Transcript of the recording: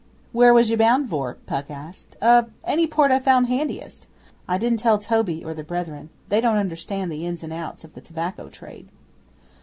'Where was you bound for?' Puck asked. 'Er any port I found handiest. I didn't tell Toby or the Brethren. They don't understand the ins and outs of the tobacco trade.